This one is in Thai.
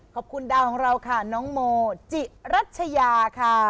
ขอบคุณดาวของเราค่ะน้องโมจิรัชยาค่ะ